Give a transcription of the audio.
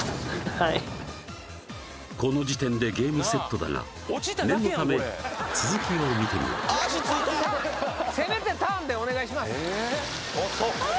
はいこの時点でゲームセットだが念のため続きを見てみよう足ついたせめてターンでお願いしますええー？